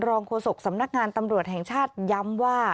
โฆษกสำนักงานตำรวจแห่งชาติย้ำว่า